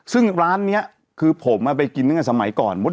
ซึ่งร้านเนี่ยคือผมไปกินนึงกับสมัยก่อน